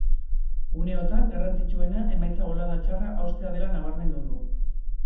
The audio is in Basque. Uneotan garrantzitsuena emaitza bolada txarra haustea dela nabarmendu du.